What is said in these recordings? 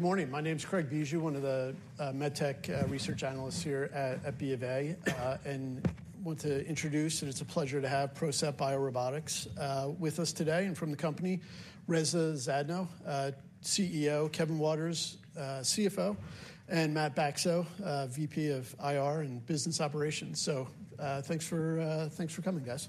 Good morning. My name is Craig Bijou, one of the medtech research analysts here at B of A. And want to introduce, and it's a pleasure to have PROCEPT BioRobotics with us today. And from the company, Reza Zadno, CEO; Kevin Waters, CFO; and Matt Bacso, VP of IR and Business Operations. So, thanks for coming, guys.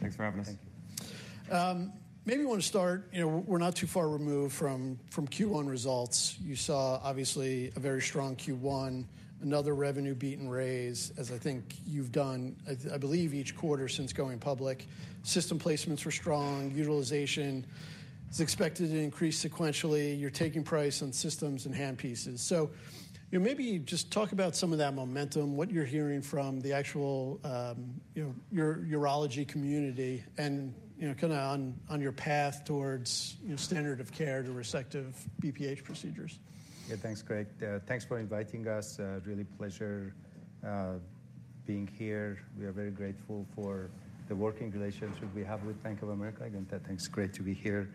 Thanks for having us. Thank you. Maybe want to start, you know, we're not too far removed from Q1 results. You saw, obviously, a very strong Q1, another revenue beat and raise, as I think you've done, I believe, each quarter since going public. System placements were strong. Utilization is expected to increase sequentially. You're taking price on systems and handpieces. So, you know, maybe just talk about some of that momentum, what you're hearing from the actual, you know, urology community, and, you know, kind of on your path towards, you know, standard of care to resective BPH procedures. Yeah, thanks, Craig. Thanks for inviting us. Really pleasure being here. We are very grateful for the working relationship we have with Bank of America. Again, thanks. It's great to be here.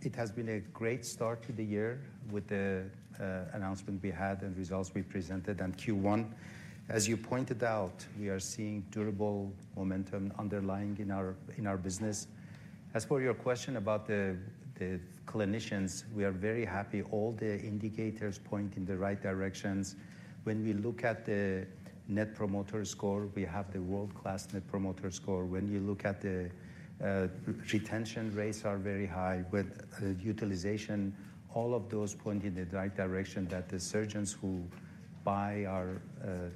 It has been a great start to the year with the announcement we had and results we presented on Q1. As you pointed out, we are seeing durable momentum underlying in our business. As for your question about the clinicians, we are very happy. All the indicators point in the right directions. When we look at the Net Promoter Score, we have the world-class Net Promoter Score. When you look at the retention rates are very high. With the utilization, all of those point in the right direction, that the surgeons who buy our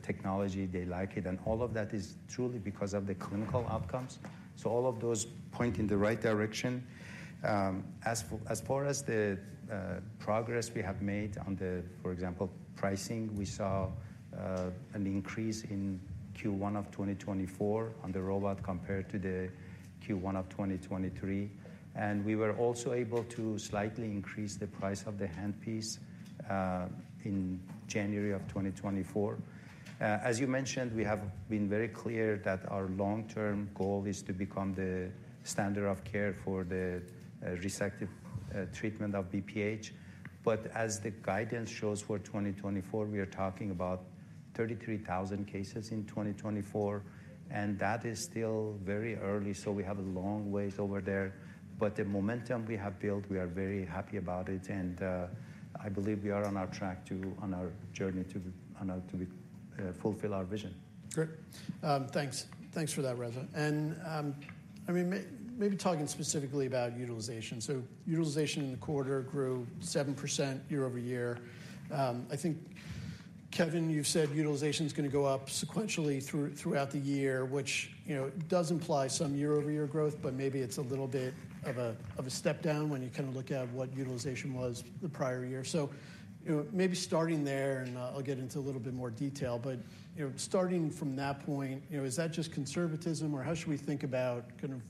technology, they like it, and all of that is truly because of the clinical outcomes. So all of those point in the right direction. As far as the progress we have made on the, for example, pricing, we saw an increase in Q1 of 2024 on the robot, compared to the Q1 of 2023. And we were also able to slightly increase the price of the handpiece in January of 2024. As you mentioned, we have been very clear that our long-term goal is to become the standard of care for the resective treatment of BPH. But as the guidance shows for 2024, we are talking about 33,000 cases in 2024, and that is still very early, so we have a long ways over there. But the momentum we have built, we are very happy about it, and I believe we are on our journey to fulfill our vision. Great. Thanks. Thanks for that, Reza. And, I mean, maybe talking specifically about utilization. So utilization in the quarter grew 7% year-over-year. I think, Kevin, you've said utilization's going to go up sequentially throughout the year, which, you know, does imply some year-over-year growth, but maybe it's a little bit of a step down when you kind of look at what utilization was the prior year. So, you know, maybe starting there, and, I'll get into a little bit more detail, but, you know, starting from that point, you know, is that just conservatism, or how should we think about kind of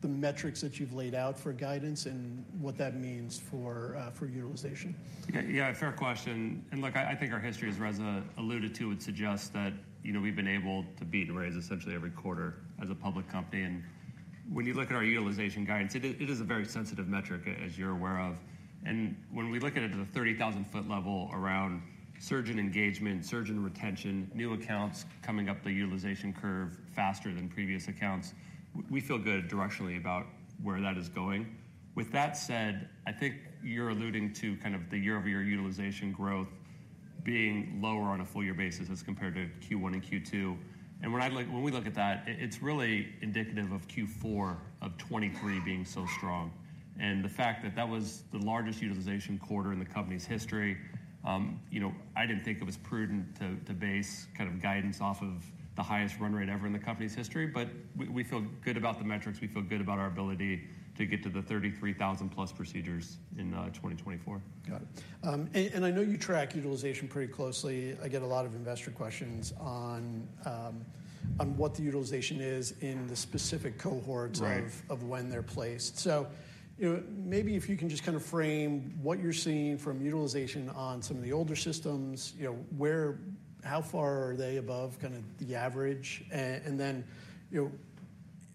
the metrics that you've laid out for guidance and what that means for, for utilization? Yeah, yeah, fair question. And look, I, I think our history, as Reza alluded to, would suggest that, you know, we've been able to beat and raise essentially every quarter as a public company. And when you look at our utilization guidance, it is, it is a very sensitive metric, as you're aware of. And when we look at it at a 30,000 ft level around surgeon engagement, surgeon retention, new accounts coming up the utilization curve faster than previous accounts, we feel good directionally about where that is going. With that said, I think you're alluding to kind of the year-over-year utilization growth being lower on a full-year basis as compared to Q1 and Q2. And when we look at that, it, it's really indicative of Q4 of 2023 being so strong. The fact that that was the largest utilization quarter in the company's history, you know, I didn't think it was prudent to base kind of guidance off of the highest run rate ever in the company's history. But we feel good about the metrics. We feel good about our ability to get to the 33,000+ procedures in 2024. Got it. I know you track utilization pretty closely. I get a lot of investor questions on what the utilization is in the specific cohorts- Right... of when they're placed. So, you know, maybe if you can just kind of frame what you're seeing from utilization on some of the older systems. You know, where—how far are they above kind of the average? And then, you know,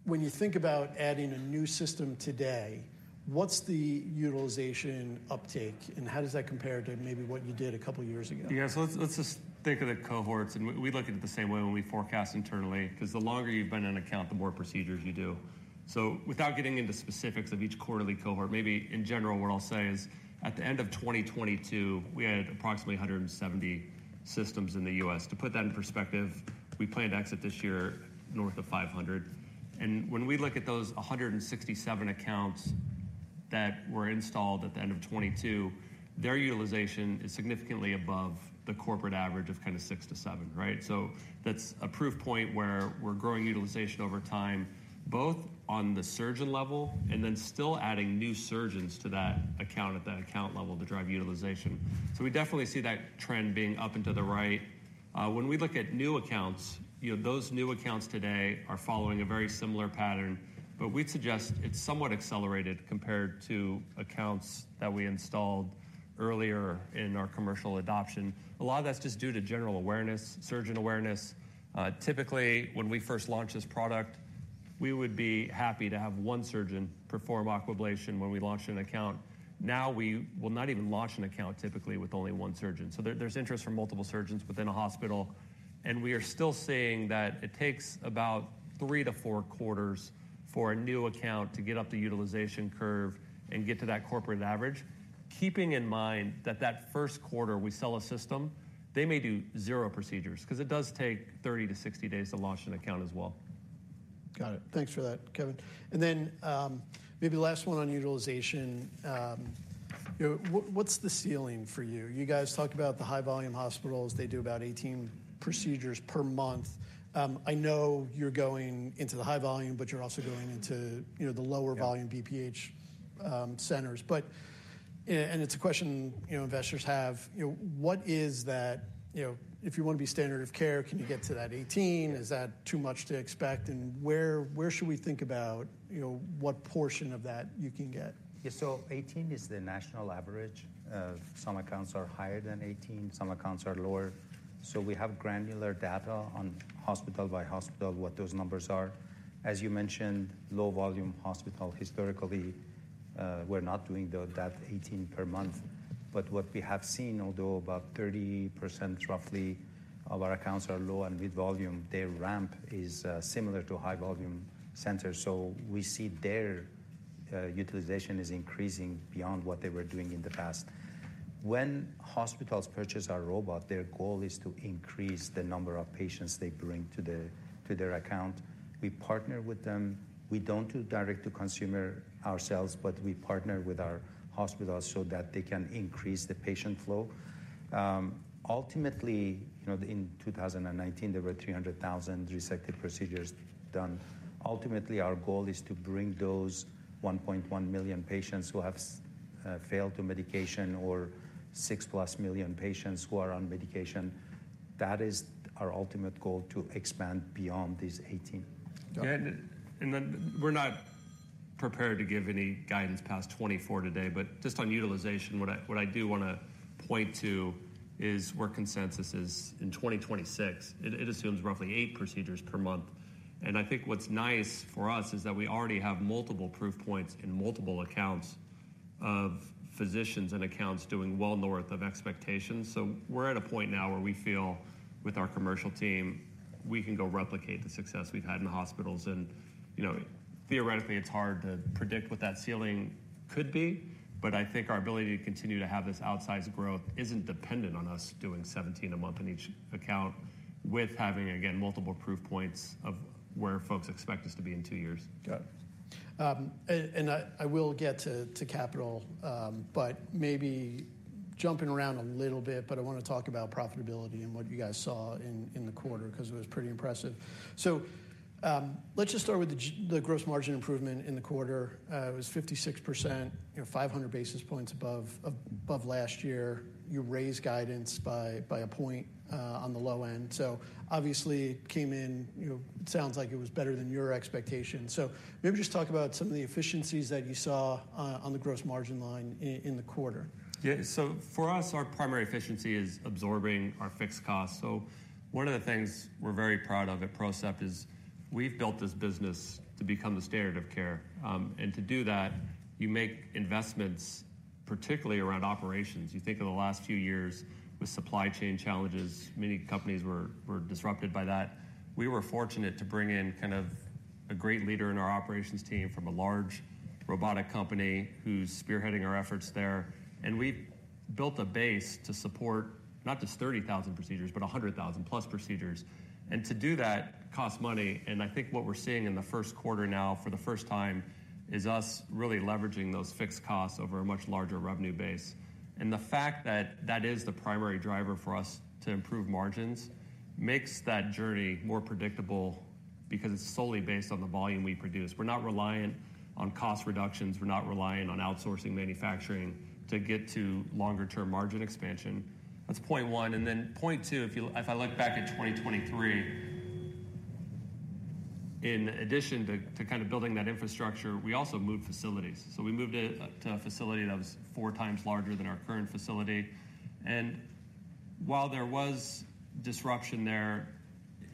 when you think about adding a new system today, what's the utilization uptake, and how does that compare to maybe what you did a couple years ago? Yeah, so let's just think of the cohorts, and we look at it the same way when we forecast internally, 'cause the longer you've been in an account, the more procedures you do. So without getting into specifics of each quarterly cohort, maybe in general, what I'll say is, at the end of 2022, we had approximately 170 systems in the U.S. To put that in perspective, we plan to exit this year north of 500. And when we look at those 167 accounts that were installed at the end of 2022, their utilization is significantly above the corporate average of kind of six to seven, right? So that's a proof point where we're growing utilization over time, both on the surgeon level and then still adding new surgeons to that account at that account level to drive utilization. So we definitely see that trend being up and to the right. When we look at new accounts, you know, those new accounts today are following a very similar pattern, but we'd suggest it's somewhat accelerated compared to accounts that we installed earlier in our commercial adoption. A lot of that's just due to general awareness, surgeon awareness. Typically, when we first launched this product, we would be happy to have one surgeon perform Aquablation when we launch an account. Now, we will not even launch an account typically with only one surgeon. So there, there's interest from multiple surgeons within a hospital, and we are still seeing that it takes about three to four quarters for a new account to get up the utilization curve and get to that corporate average. Keeping in mind that first quarter we sell a system, they may do zero procedures, 'cause it does take 30-60 days to launch an account as well. Got it. Thanks for that, Kevin. And then, maybe last one on utilization. You know, what, what's the ceiling for you? You guys talked about the high-volume hospitals. They do about 18 procedures per month. I know you're going into the high volume, but you're also going into, you know, the lower- Yeah... volume BPH centers. But it's a question, you know, investors have, you know, what is that? You know, if you want to be standard of care, can you get to that 18? Yeah. Is that too much to expect, and where, where should we think about, you know, what portion of that you can get? Yeah, so 18 is the national average. Some accounts are higher than 18, some accounts are lower. So we have granular data on hospital by hospital, what those numbers are. As you mentioned, low volume hospital, historically, we're not doing that 18 per month. But what we have seen, although about 30% roughly of our accounts are low and mid-volume, their ramp is similar to high-volume centers. So we see their utilization is increasing beyond what they were doing in the past. When hospitals purchase our robot, their goal is to increase the number of patients they bring to the, to their account. We partner with them. We don't do direct to consumer ourselves, but we partner with our hospitals so that they can increase the patient flow. Ultimately, you know, in 2019, there were 300,000 resective procedures done. Ultimately, our goal is to bring those 1.1 million patients who have failed to medication or 6+ million patients who are on medication. That is our ultimate goal, to expand beyond these 18. Yeah, and then we're not prepared to give any guidance past 2024 today, but just on utilization, what I do wanna point to is where consensus is in 2026. It assumes roughly eight procedures per month. And I think what's nice for us is that we already have multiple proof points and multiple accounts of physicians and accounts doing well north of expectations. So we're at a point now where we feel with our commercial team, we can go replicate the success we've had in the hospitals. And, you know, theoretically, it's hard to predict what that ceiling could be, but I think our ability to continue to have this outsized growth isn't dependent on us doing 17 a month in each account with having, again, multiple proof points of where folks expect us to be in two years. Got it. And I will get to capital, but maybe jumping around a little bit, but I want to talk about profitability and what you guys saw in the quarter, 'cause it was pretty impressive. So, let's just start with the gross margin improvement in the quarter. It was 56%, you know, 500 basis points above last year. You raised guidance by a point on the low end. So obviously, it came in, you know, it sounds like it was better than your expectations. So maybe just talk about some of the efficiencies that you saw on the gross margin line in the quarter. Yeah. So for us, our primary efficiency is absorbing our fixed costs. So one of the things we're very proud of at PROCEPT is we've built this business to become the standard of care. And to do that, you make investments, particularly around operations. You think of the last few years with supply chain challenges, many companies were disrupted by that. We were fortunate to bring in kind of a great leader in our operations team from a large robotic company, who's spearheading our efforts there. And we've built a base to support not just 30,000 procedures, but 100,000+ procedures. And to do that costs money, and I think what we're seeing in the first quarter now for the first time, is us really leveraging those fixed costs over a much larger revenue base. The fact that is the primary driver for us to improve margins makes that journey more predictable because it's solely based on the volume we produce. We're not reliant on cost reductions. We're not reliant on outsourcing manufacturing to get to longer term margin expansion. That's point one, and then point two, if I look back at 2023, in addition to kind of building that infrastructure, we also moved facilities. So we moved to a facility that was four times larger than our current facility. And while there was disruption there,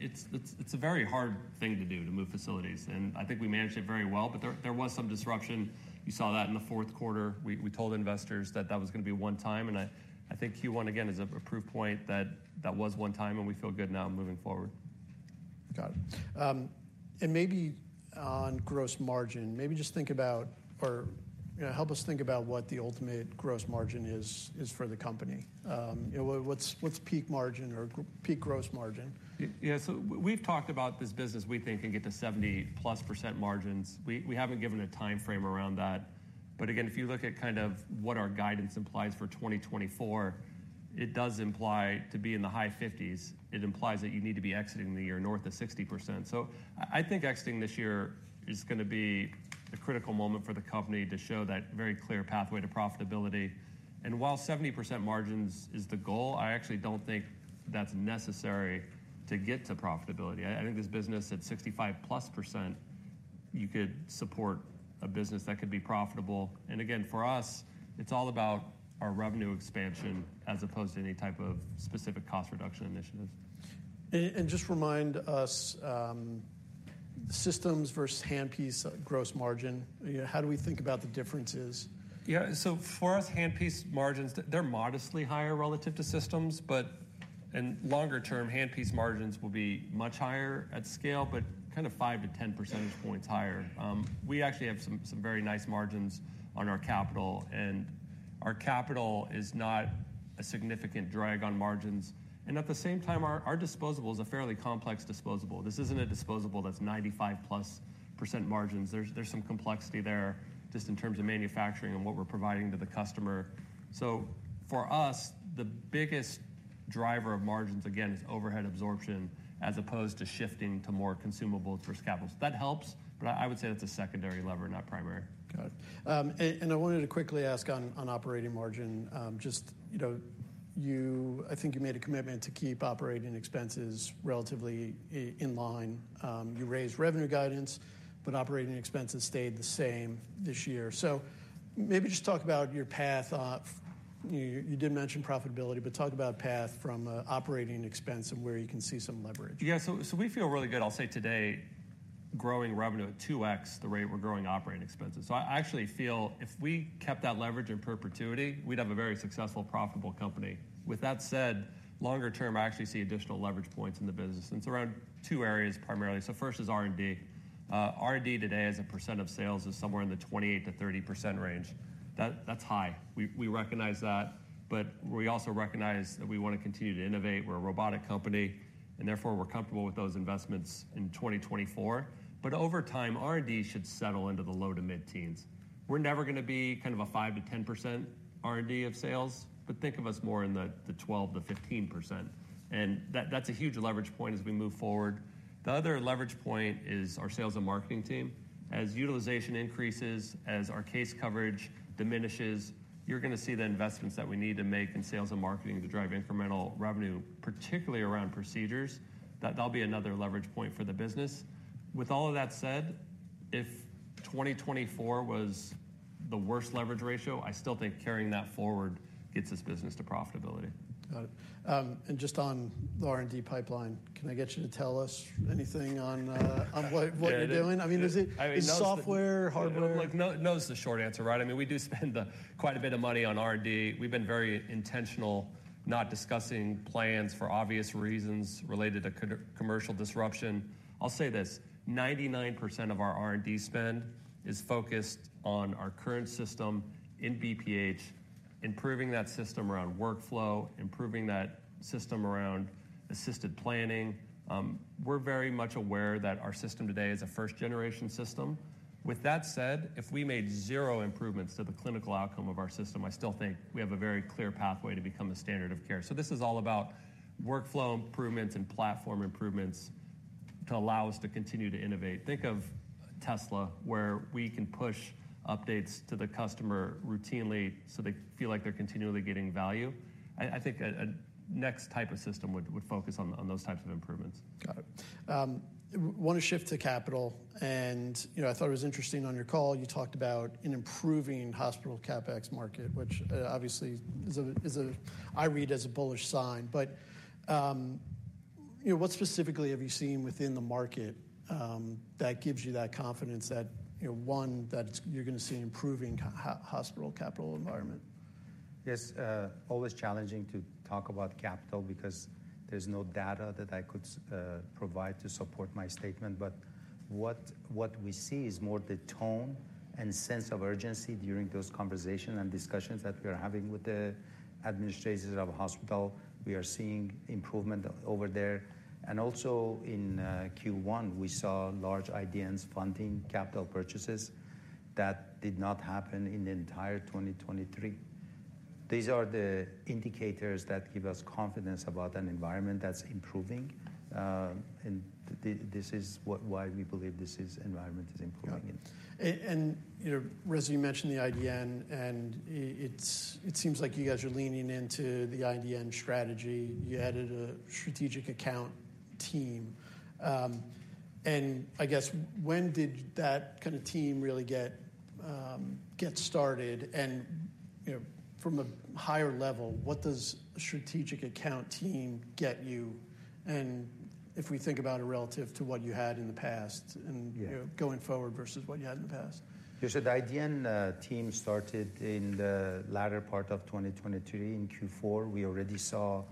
it's a very hard thing to do, to move facilities, and I think we managed it very well, but there was some disruption. You saw that in the fourth quarter. We told investors that was gonna be a one-time, and I think Q1 again is a proof point that was one time, and we feel good now moving forward. Got it. And maybe on gross margin, maybe just think about, you know, help us think about what the ultimate gross margin is for the company. You know, what's peak margin or peak gross margin? Yeah, so we've talked about this business, we think, can get to 70%+ margins. We haven't given a timeframe around that. But again, if you look at kind of what our guidance implies for 2024, it does imply to be in the high 50s. It implies that you need to be exiting the year north of 60%. So I think exiting this year is gonna be a critical moment for the company to show that very clear pathway to profitability. And while 70% margins is the goal, I actually don't think that's necessary to get to profitability. I think this business at 65%+ you could support a business that could be profitable. And again, for us, it's all about our revenue expansion as opposed to any type of specific cost reduction initiatives. Just remind us, systems versus handpiece gross margin. You know, how do we think about the differences? Yeah, so for us, handpiece margins, they're modestly higher relative to systems, but and longer term, handpiece margins will be much higher at scale, but kind of 5-10 percentage points higher. We actually have some very nice margins on our capital, and our capital is not a significant drag on margins. And at the same time, our disposable is a fairly complex disposable. This isn't a disposable that's 95%+ margins. There's some complexity there just in terms of manufacturing and what we're providing to the customer. So for us, the biggest driver of margins, again, is overhead absorption, as opposed to shifting to more consumables versus capitals. That helps, but I would say that's a secondary lever, not primary. Got it. And I wanted to quickly ask on operating margin. Just, you know, I think you made a commitment to keep operating expenses relatively in line. You raised revenue guidance, but operating expenses stayed the same this year. So maybe just talk about your path to. You did mention profitability, but talk about path from operating expense and where you can see some leverage. Yeah. So, we feel really good, I'll say today, growing revenue at 2x the rate we're growing operating expenses. So I actually feel if we kept that leverage in perpetuity, we'd have a very successful, profitable company. With that said, longer term, I actually see additional leverage points in the business, and it's around two areas primarily. So first is R&D. R&D today as a percent of sales is somewhere in the 28%-30% range. That's high. We recognize that, but we also recognize that we wanna continue to innovate. We're a robotic company, and therefore, we're comfortable with those investments in 2024. But over time, R&D should settle into the low- to mid-teens. We're never gonna be kind of a 5%-10% R&D of sales, but think of us more in the 12%-15%, and that's a huge leverage point as we move forward. The other leverage point is our sales and marketing team. As utilization increases, as our case coverage diminishes, you're gonna see the investments that we need to make in sales and marketing to drive incremental revenue, particularly around procedures. That'll be another leverage point for the business. With all of that said, if 2024 was the worst leverage ratio, I still think carrying that forward gets this business to profitability. Got it. Just on the R&D pipeline, can I get you to tell us anything on what- Yeah- You're doing? I mean, is it- I mean, no- It's software, hardware? Like, no, no is the short answer, right? I mean, we do spend quite a bit of money on R&D. We've been very intentional, not discussing plans for obvious reasons related to commercial disruption. I'll say this: 99% of our R&D spend is focused on our current system in BPH, improving that system around workflow, improving that system around assisted planning. We're very much aware that our system today is a first-generation system. With that said, if we made zero improvements to the clinical outcome of our system, I still think we have a very clear pathway to become a standard of care. So this is all about workflow improvements and platform improvements to allow us to continue to innovate. Think of Tesla, where we can push updates to the customer routinely, so they feel like they're continually getting value. I think a next type of system would focus on those types of improvements. Got it. Wanna shift to capital, and, you know, I thought it was interesting on your call, you talked about an improving hospital CapEx market, which obviously is a—I read as a bullish sign. But, you know, what specifically have you seen within the market that gives you that confidence that, you know, one, that you're gonna see an improving hospital capital environment? Yes, always challenging to talk about capital because there's no data that I could provide to support my statement. But what we see is more the tone and sense of urgency during those conversation and discussions that we are having with the administrators of a hospital. We are seeing improvement over there. And also in Q1, we saw large IDNs funding capital purchases. That did not happen in the entire 2023. These are the indicators that give us confidence about an environment that's improving, and why we believe this environment is improving. Got it. And you know, Reza, you mentioned the IDN, and it seems like you guys are leaning into the IDN strategy. You added a strategic account team. And I guess when did that kind of team really get started? And you know, from a higher level, what does a strategic account team get you, and if we think about it relative to what you had in the past and- Yeah... you know, going forward versus what you had in the past? Yes, so the IDN team started in the latter part of 2023. In Q4, we already saw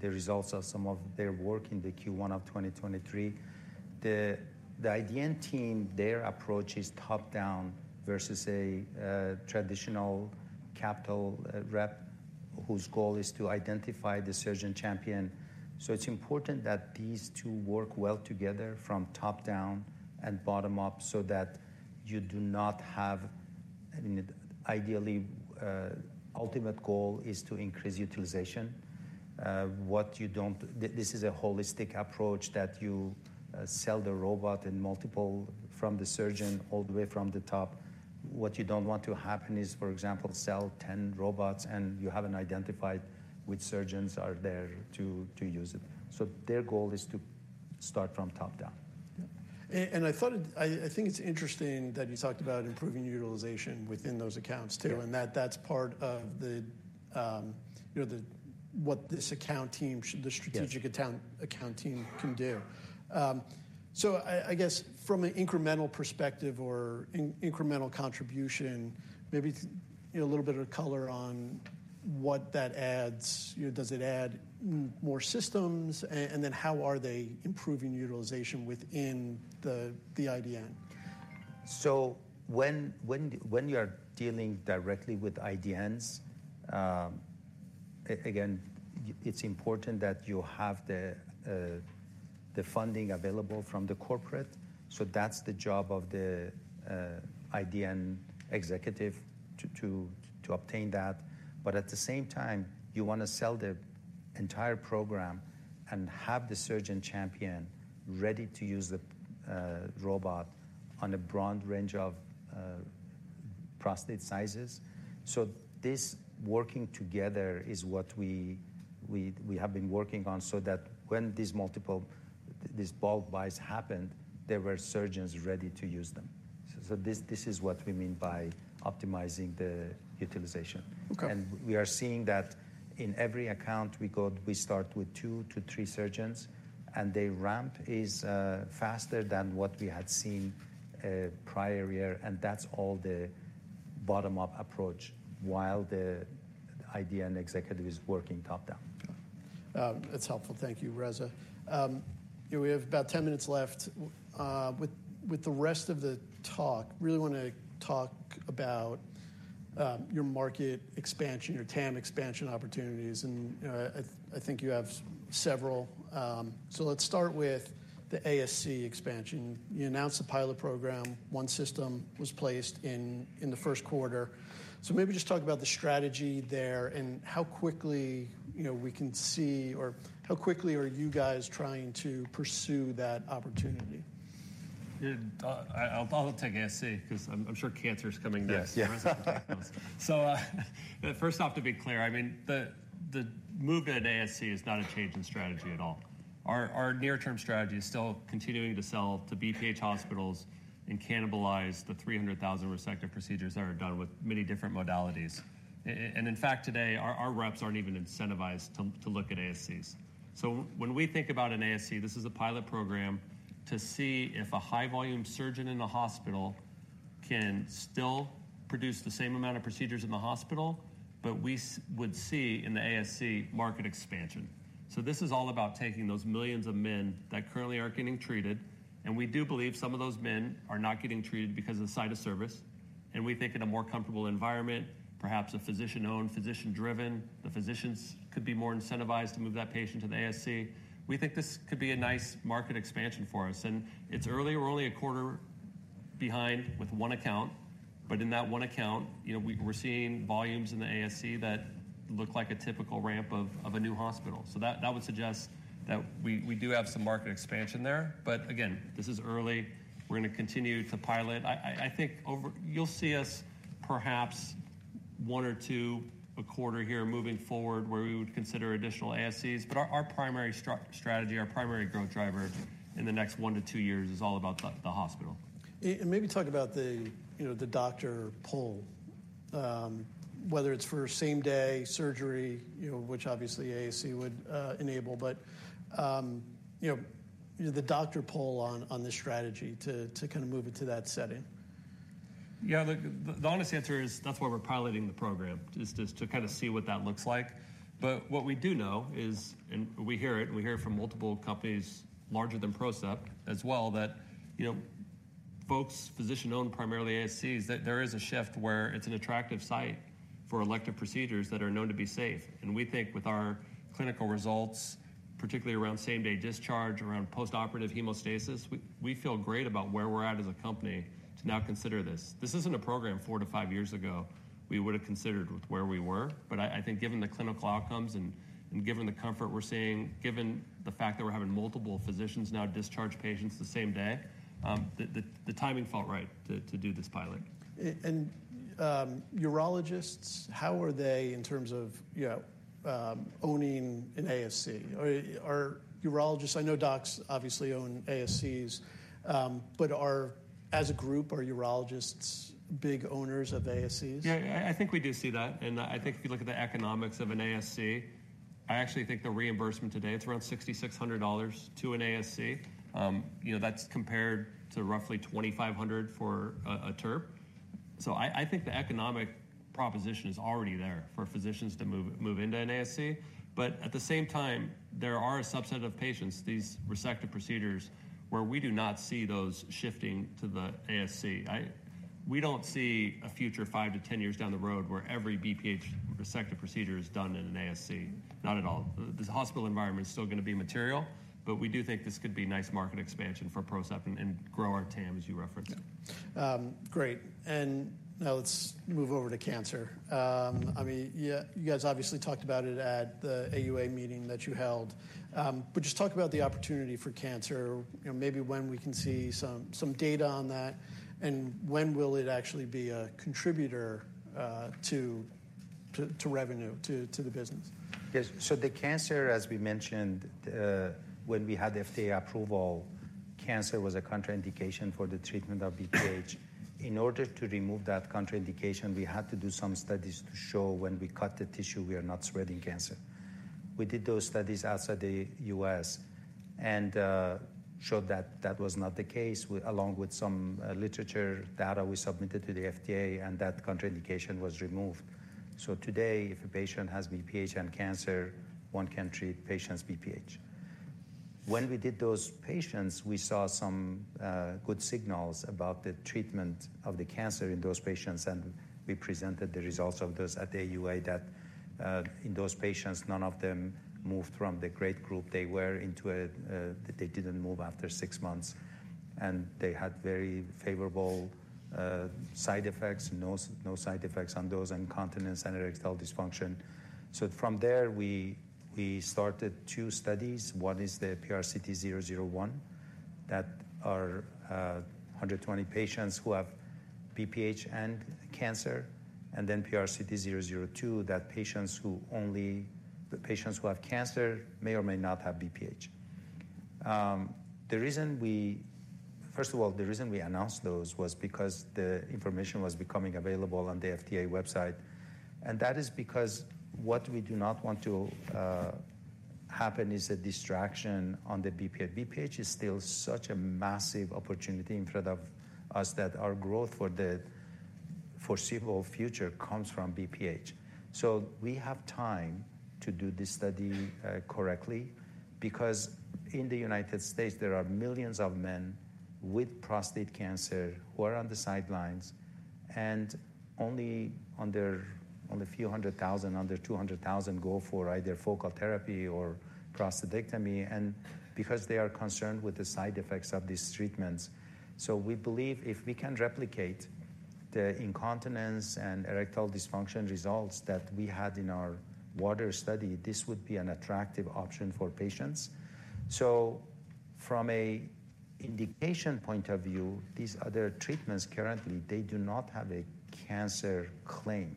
the results of some of their work in the Q1 of 2023. The IDN team, their approach is top-down versus a traditional capital rep, whose goal is to identify the surgeon champion. So it's important that these two work well together from top down and bottom up, so that you do not have... I mean, ideally, ultimate goal is to increase utilization. What you don't, this is a holistic approach that you sell the robot in multiple from the surgeon all the way from the top.... What you don't want to happen is, for example, sell 10 robots, and you haven't identified which surgeons are there to use it. So their goal is to start from top down. Yeah. And I thought. I think it's interesting that you talked about improving utilization within those accounts, too and that that's part of the, you know, the, what this account team, the strategic- Yes account, account team can do. So I guess from an incremental perspective or incremental contribution, maybe, you know, a little bit of color on what that adds. You know, does it add more systems? And then how are they improving utilization within the IDN? So when you are dealing directly with IDNs, again, it's important that you have the funding available from the corporate. So that's the job of the IDN executive to obtain that. But at the same time, you want to sell the entire program and have the surgeon champion ready to use the robot on a broad range of prostate sizes. So this working together is what we have been working on, so that when these multiple bulk buys happened, there were surgeons ready to use them. So this is what we mean by optimizing the utilization. Okay. And we are seeing that in every account we go, we start with 2-3 surgeons, and their ramp is faster than what we had seen prior year, and that's all the bottom-up approach, while the IDN executive is working top-down. That's helpful. Thank you, Reza. We have about 10 minutes left. With the rest of the talk, really want to talk about your market expansion, your TAM expansion opportunities, and I think you have several. So let's start with the ASC expansion. You announced a pilot program. One system was placed in the first quarter. So maybe just talk about the strategy there and how quickly, you know, we can see or how quickly are you guys trying to pursue that opportunity? Yeah. I'll take ASC because I'm sure cancer's coming next. Yes. Yeah. So, first off, to be clear, I mean, the move at ASC is not a change in strategy at all. Our near-term strategy is still continuing to sell to BPH hospitals and cannibalize the 300,000 resective procedures that are done with many different modalities. And in fact, today, our reps aren't even incentivized to look at ASCs. So when we think about an ASC, this is a pilot program to see if a high-volume surgeon in a hospital can still produce the same amount of procedures in the hospital, but we would see in the ASC market expansion. So this is all about taking those millions of men that currently aren't getting treated, and we do believe some of those men are not getting treated because of the site of service, and we think in a more comfortable environment, perhaps a physician-owned, physician-driven, the physicians could be more incentivized to move that patient to the ASC. We think this could be a nice market expansion for us, and it's early. We're only a quarter behind with one account, but in that one account, you know, we're seeing volumes in the ASC that look like a typical ramp of a new hospital. So that would suggest that we do have some market expansion there. But again, this is early. We're going to continue to pilot. I think over... You'll see us perhaps one or two a quarter here moving forward, where we would consider additional ASCs. But our primary strategy, our primary growth driver in the next one to two years is all about the hospital. Maybe talk about the, you know, the doctor pull, whether it's for same-day surgery, you know, which obviously ASC would enable. But, you know, the doctor pull on the strategy to kind of move it to that setting. Yeah, the honest answer is that's why we're piloting the program, is just to kind of see what that looks like. But what we do know is, and we hear it, we hear it from multiple companies larger than PROCEPT as well, that, you know, folks, physician-owned, primarily ASCs, that there is a shift where it's an attractive site for elective procedures that are known to be safe. And we think with our clinical results, particularly around same-day discharge, around postoperative hemostasis, we feel great about where we're at as a company to now consider this. This isn't a program four to five years ago we would have considered with where we were. But I think given the clinical outcomes and given the comfort we're seeing, given the fact that we're having multiple physicians now discharge patients the same day, the timing felt right to do this pilot. Urologists, how are they in terms of, you know, owning an ASC? Are urologists—I know docs obviously own ASCs, but as a group, are urologists big owners of ASCs? Yeah, I think we do see that, and I think if you look at the economics of an ASC, I actually think the reimbursement today, it's around $6,600 to an ASC. You know, that's compared to roughly $2,500 for a TURP. So I think the economic proposition is already there for physicians to move into an ASC. But at the same time, there are a subset of patients, these resective procedures, where we do not see those shifting to the ASC. We don't see a future five to 10 years down the road where every BPH resective procedure is done in an ASC. Not at all. The hospital environment is still going to be material, but we do think this could be nice market expansion for PROCEPT and grow our TAM, as you referenced. Great. Now let's move over to cancer. I mean, yeah, you guys obviously talked about it at the AUA meeting that you held. But just talk about the opportunity for cancer, you know, maybe when we can see some data on that, and when will it actually be a contributor to revenue, to the business? Yes. So the cancer, as we mentioned, when we had FDA approval, cancer was a contraindication for the treatment of BPH. In order to remove that contraindication, we had to do some studies to show when we cut the tissue, we are not spreading cancer. We did those studies outside the U.S., and showed that that was not the case. We along with some literature data, we submitted to the FDA, and that contraindication was removed. So today, if a patient has BPH and cancer, one can treat patient's BPH. When we did those patients, we saw some good signals about the treatment of the cancer in those patients, and we presented the results of those at the AUA that, in those patients, none of them moved from the grade group they were into a... They didn't move after six months, and they had very favorable side effects. No, no side effects on those incontinence and erectile dysfunction. So from there, we, we started two studies. One is the PRCT001, that are 120 patients who have BPH and cancer, and then PRCT002, that patients who only—the patients who have cancer may or may not have BPH. The reason we... First of all, the reason we announced those was because the information was becoming available on the FDA website, and that is because what we do not want to happen is a distraction on the BPH. BPH is still such a massive opportunity in front of us that our growth for the foreseeable future comes from BPH. So we have time to do this study correctly, because in the United States, there are millions of men with prostate cancer who are on the sidelines, and only under only a few hundred thousand, under 200,000, go for either focal therapy or prostatectomy, and because they are concerned with the side effects of these treatments. So we believe if we can replicate the incontinence and erectile dysfunction results that we had in our WATER Study, this would be an attractive option for patients. So from a indication point of view, these other treatments, currently, they do not have a cancer claim,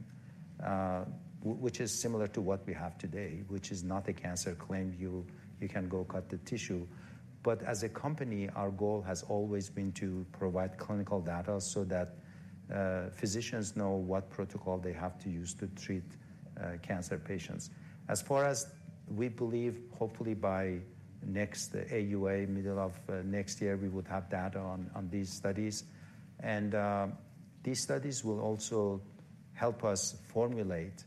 which is similar to what we have today, which is not a cancer claim. You can go cut the tissue. As a company, our goal has always been to provide clinical data so that physicians know what protocol they have to use to treat cancer patients. As far as we believe, hopefully by next AUA, middle of next year, we would have data on these studies. These studies will also help us formulate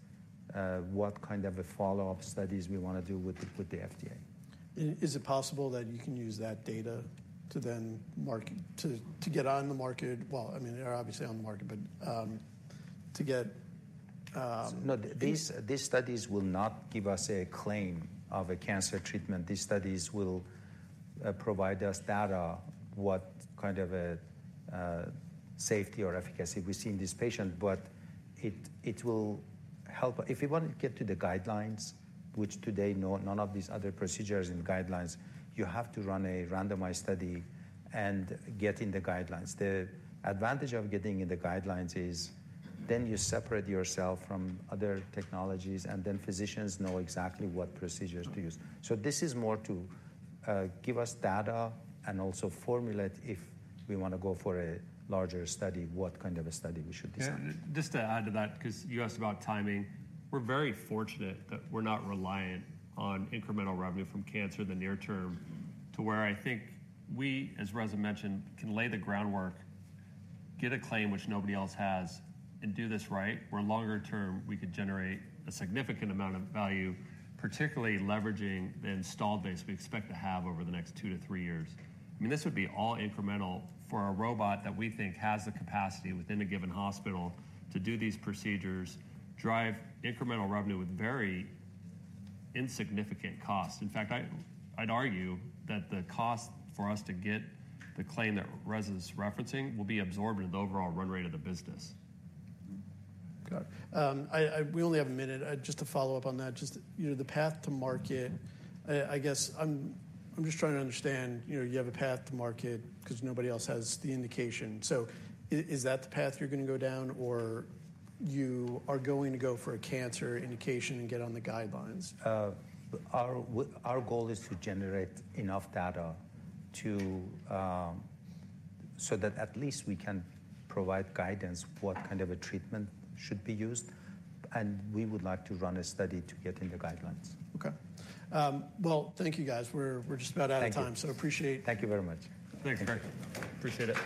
what kind of follow-up studies we want to do with the FDA. Is it possible that you can use that data to then market to get on the market? Well, I mean, you're obviously on the market, but to get No, these, these studies will not give us a claim of a cancer treatment. These studies will provide us data, what kind of a safety or efficacy we see in this patient. But it, it will help. If you want to get to the guidelines, which today, none of these other procedures and guidelines, you have to run a randomized study and get in the guidelines. The advantage of getting in the guidelines is then you separate yourself from other technologies, and then physicians know exactly what procedures to use. So this is more to give us data and also formulate, if we want to go for a larger study, what kind of a study we should design. And just to add to that, 'cause you asked about timing. We're very fortunate that we're not reliant on incremental revenue from cancer in the near term to where I think we, as Reza mentioned, can lay the groundwork, get a claim which nobody else has, and do this right, where longer term, we could generate a significant amount of value, particularly leveraging the installed base we expect to have over the next two to three years. I mean, this would be all incremental for a robot that we think has the capacity within a given hospital to do these procedures, drive incremental revenue with very insignificant cost. In fact, I, I'd argue that the cost for us to get the claim that Reza's referencing will be absorbed into the overall run rate of the business. Mm-hmm. Got it. We only have a minute. Just to follow up on that, just, you know, the path to market. I guess I'm just trying to understand, you know, you have a path to market 'cause nobody else has the indication. So is that the path you're going to go down, or you are going to go for a cancer indication and get on the guidelines? Our goal is to generate enough data to, so that at least we can provide guidance, what kind of a treatment should be used, and we would like to run a study to get in the guidelines. Okay. Well, thank you, guys. We're just about out of time. Thank you. So appreciate- Thank you very much. Thanks, Craig. Appreciate it.